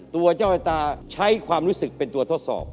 ตัวเจ้าชะตาใช้ความรู้สึกเป็นตัวทดสอบ